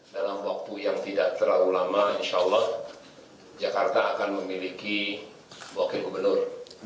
dalam waktu yang tidak terlalu lama insya allah jakarta akan memiliki wakil gubernur